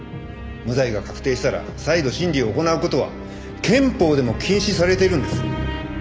無罪が確定したら再度審理を行う事は憲法でも禁止されているんです。